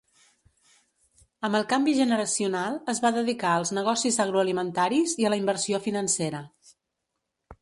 Amb el canvi generacional es va dedicar als negocis agroalimentaris i a la inversió financera.